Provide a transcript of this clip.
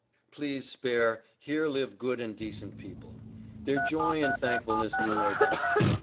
(Please spare, here live good and decent people) their joy and thankfulness knew no bounds.